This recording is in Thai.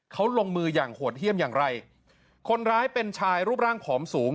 เขาลงมืออย่างโหดเยี่ยมอย่างไรคนร้ายเป็นชายรูปร่างผอมสูง